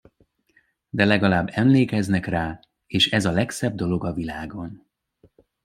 De legalább emlékeznek rá, és ez a legszebb dolog a világon.